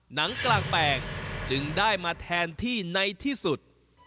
หนังกลางแปลงจึงได้มาแทนที่ในที่สุด